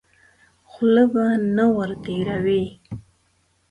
خوله به نه ور تېروې.